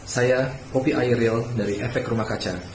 saya poppy aireel dari efek rumah kaca